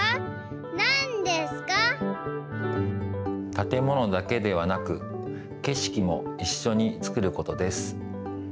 たてものだけではなくけしきもいっしょにつくることです。